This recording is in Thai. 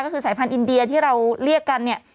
ก็คือสายพันธุอินเดียที่เราเรียกกันเนี่ย